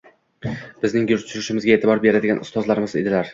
Bizning yurish-turishimizga e’tibor beradigan ustozimiz edilar.